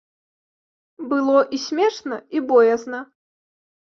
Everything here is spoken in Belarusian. Было і смешна і боязна.